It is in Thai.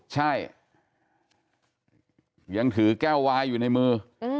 ใช่ยังถือแก้ววายอยู่ในมือ